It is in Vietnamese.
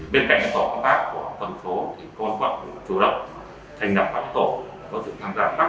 bên cạnh tổ phát của phần số thì công an quốc chủ động thành đặc bản tổ